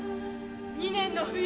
２年の冬」。